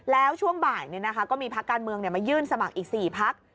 แล้วช่วงบ่ายก็มีพักการเมืองมายื่นสมัครอีก๔พัก